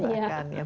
tiga bulan bahkan